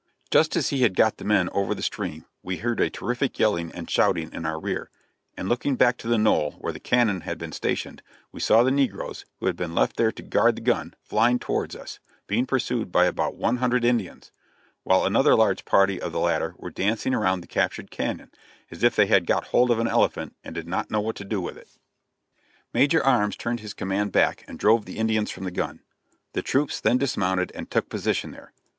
Just as he had got the men over the stream, we heard a terrific yelling and shouting in our rear, and looking back to the knoll where the cannon had been stationed, we saw the negroes, who had been left there to guard the gun, flying towards us, being pursued by about one hundred Indians; while another large party of the latter were dancing around the captured cannon, as if they had got hold of an elephant and did not know what to do with it. Major Arms turned his command back and drove the Indians from the gun. The troops then dismounted and took position there.